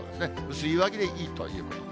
薄い上着でいいということです。